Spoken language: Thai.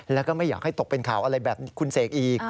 แล้วก็ไม่อยากให้ตกเป็นข่าวอะไรแบบคุณเสกอีก